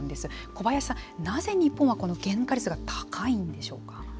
小林さん、なぜ日本はこの原価率が高いんでしょうか。